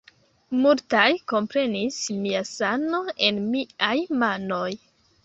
Multaj komprenis mia sano en miaj manoj!